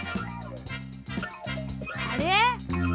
あれ？